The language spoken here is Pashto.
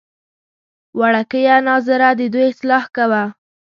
وړکیه ناظره ددوی اصلاح کوه.